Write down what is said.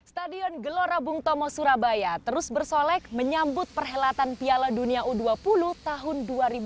stadion gelora bung tomo surabaya terus bersolek menyambut perhelatan piala dunia u dua puluh tahun dua ribu dua puluh